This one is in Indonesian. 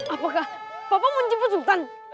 apakah papa menjemput sultan